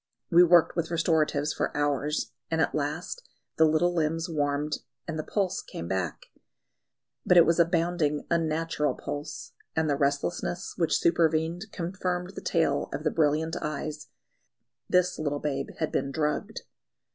We worked with restoratives for hours, and at last the little limbs warmed and the pulse came back. But it was a bounding, unnatural pulse, and the restlessness which supervened confirmed the tale of the brilliant eyes the little babe had been drugged.